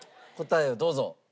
答えをどうぞ。